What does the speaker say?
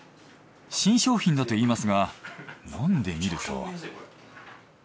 新商品だといいますが飲んでみると。